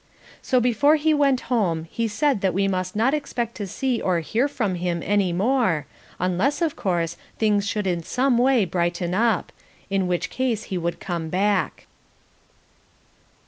So before he went home he said that we must not expect to see or hear from him any more, unless, of course, things should in some way brighten up, in which case he would come back.